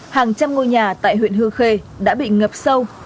hàng trăm ngôi nhà tại huyện hương khê đã bị ngập sâu